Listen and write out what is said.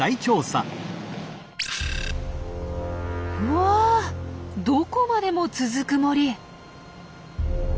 うわどこまでも続く森！